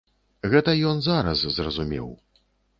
Гэта ён зараз зразумеў.